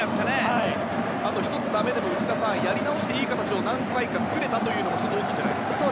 あと１つだめでも内田さん、やり直していい形を何回か作れたのも大きいんじゃないですか。